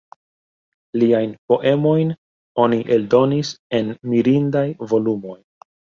Liajn poemojn oni eldonis en mirindaj volumoj.